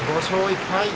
５勝１敗。